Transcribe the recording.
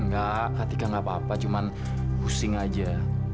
enggak kak tika enggak apa apa cuma pusing aja